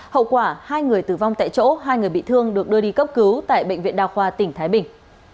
hậu quả hai người tử vong tại chỗ hai người bị thương được đưa đi cấp cứu tại bệnh viện đa khoa tỉnh thái bình